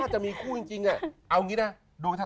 ถ้าจะมีคู่จริงเอางี้นะ